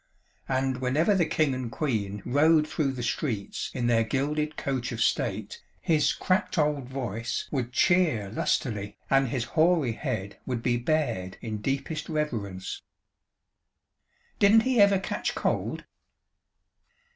And whenever the King and Queen rode through the streets in their gilded coach of state, his cracked old voice would cheer lustily, and his hoary head would be bared in deepest reverence." "Didn't he ever catch cold?"